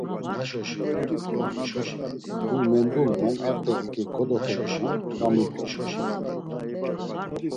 Huy mendulvan a t̆aǩiǩe kodoxedunan gamulvan.